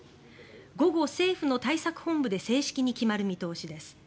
午後、政府の対策本部で正式に決まる見通しです。